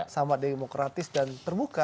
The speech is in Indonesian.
sangat demokratis dan terbuka